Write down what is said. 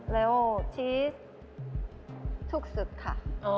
แล้วชีสทุกค่ะ